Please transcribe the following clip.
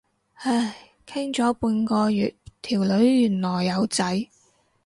唉，傾咗半個月，條女原來有仔。